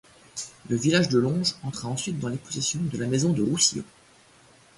Le village de Longes entra ensuite dans les possessions de la maison de Roussillon.